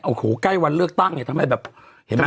โอ้โหใกล้วันเลือกตั้งเนี่ยทำไมแบบเห็นไหม